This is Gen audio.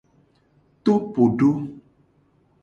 Topodo.